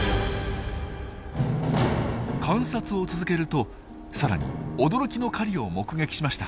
観察を続けるとさらに驚きの狩りを目撃しました。